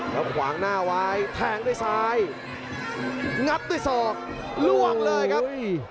แล้วขวางหน้าไว้แทงด้วยซ้ายงัดด้วยศอกล่วงเลยครับ